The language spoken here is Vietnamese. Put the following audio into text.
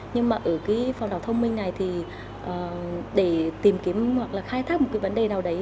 nhưng mà ở cái phòng đảo thông minh này thì để tìm kiếm hoặc là khai thác một cái vấn đề nào đấy